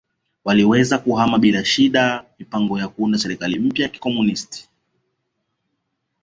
waliweza kuhama bila shida mipango ya kuunda serikali ya kikomunist